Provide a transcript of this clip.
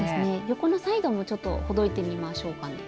横のサイドもほどいてみましょうかね。